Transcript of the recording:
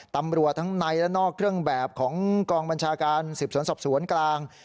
ตำรวจทั้งในและนอกเครื่องแบบของกองบัญชาการสืบสวนสอบสวนกลาง